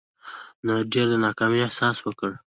نه ډېر د ناکامي احساس وکړو.